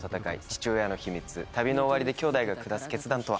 父親の秘密旅の終わりで兄弟が下す決断とは？